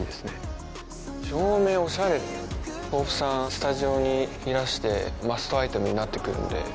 スタジオにいらしてマストアイテムになってくるんで。